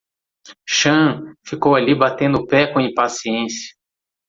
Sean ficou ali batendo o pé com impaciência.